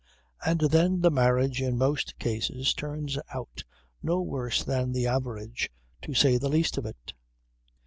"And then the marriage in most cases turns out no worse than the average, to say the least of it."